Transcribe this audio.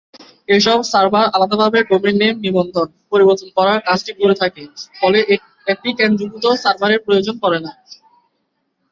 এসব সার্ভার আলাদাভাবে domain name নিবন্ধন, পরিবর্তন করার কাজটি করে থাকে ফলে একটি কেন্দ্রীভূত সার্ভারের প্রয়োজন পড়ে না।